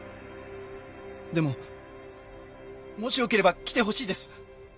でももしよければ来てほしいです